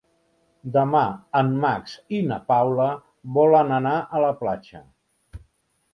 Demà en Max i na Paula volen anar a la platja.